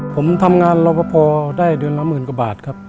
ผมทำงานรอปภได้เดือนละหมื่นกว่าบาทครับ